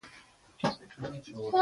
په اغېزمنه توګه چارې ترسره کړي.